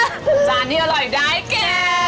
จานที่อร่อยได้แก่